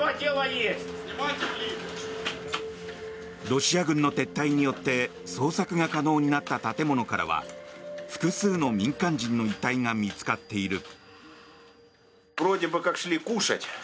ロシア軍の撤退によって捜索が可能になった建物からは複数の民間人の遺体が見つかっている。